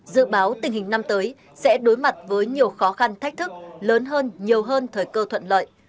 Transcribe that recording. dự báo tình hình năm tới sẽ đối mặt với nhiều khó khăn thách thức lớn hơn nhiều hơn thời cơ thuận lợi